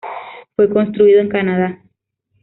Fue construido en Canadá.